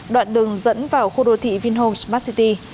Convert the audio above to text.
đoạn đường dẫn vào khu đô thị vinhomes massity